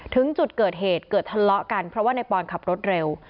ถึงจุดเกิดเหตุเกิดทะเลาะกันเพราะว่าในปอนขับรถเร็ว